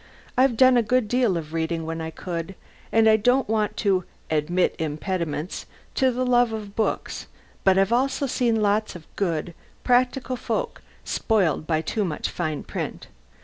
I've done a good deal of reading when I could, and I don't want to "admit impediments" to the love of books, but I've also seen lots of good, practical folk spoiled by too much fine print.